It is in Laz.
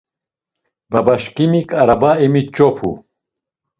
Babaşǩimik araba emiç̌opu.